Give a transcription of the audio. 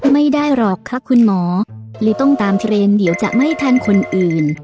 ไม่ได้หรอกค่ะคุณหมอเลยต้องตามเทรนด์เดี๋ยวจะไม่ทันคนอื่น